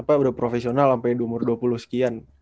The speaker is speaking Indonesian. pak udah profesional sampai di umur dua puluh sekian